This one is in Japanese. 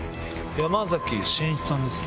山崎真一さんですね。